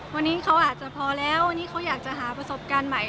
วันนี้เขาอาจจะพอแล้ววันนี้เขาอยากจะหาประสบการณ์ใหม่